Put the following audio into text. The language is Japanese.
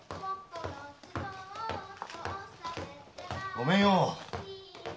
ごめんよ！